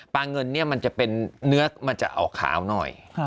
เงินเนี่ยมันจะเป็นเนื้อมันจะออกขาวหน่อย